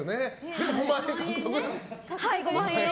でも５万円獲得ですね。